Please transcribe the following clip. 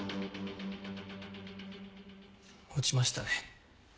落ちましたね。